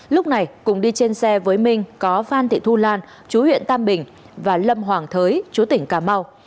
lúc này cùng đi trên xe với minh có phan thị thu lan chú huyện tam bình và lâm hoàng thới chúa tỉnh cà mau